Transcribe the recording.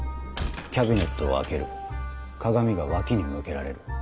キャビネットを開ける鏡が脇に向けられる。